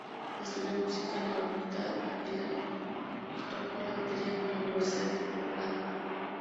Estudió música en la facultad y tocó la batería con la Universidad de Colorado.